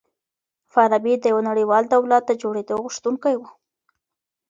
فارابي د يوه نړيوال دولت د جوړېدو غوښتونکی و.